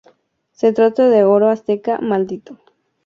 Se trata de oro azteca maldito.